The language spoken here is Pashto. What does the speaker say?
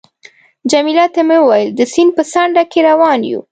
جميله ته مې وویل: د سیند په څنډه کې روان یو.